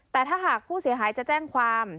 แต่ถ้าหากผู้เสียหายจะแจ้งความ